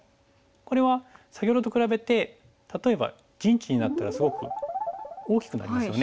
これは先ほどと比べて例えば陣地になったらすごく大きくなりますよね。